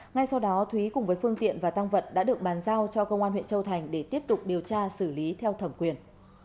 ngay sau đó thúy cùng với phương tiện và tăng vật đã được bàn giao cho công an huyện châu thành để tiếp tục điều tra xử lý theo thẩm quyền